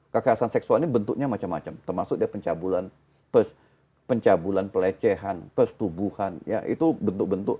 kekerasan seksual ini bentuknya macam macam termasuk pencabulan pelecehan pestubuhan itu bentuk bentuk